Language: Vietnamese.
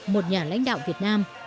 một nhà lãnh đạo việt nam